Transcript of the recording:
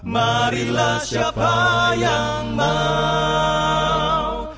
marilah siapa yang mau